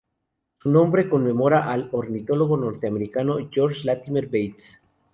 Su nombre conmemora al ornitólogo norteamericano George Latimer Bates.